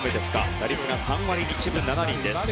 打率が３割１分７厘です。